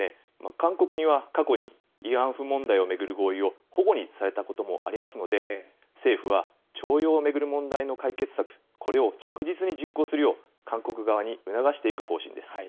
韓国には、過去に慰安婦問題を巡る合意をほごにされたこともありますので、政府は徴用を巡る問題の解決策、これを着実に実行するよう、韓国側に促していく方針です。